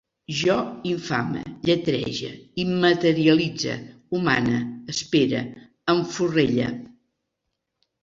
Jo infame, lletrege, immaterialitze, humane, espere, enforrelle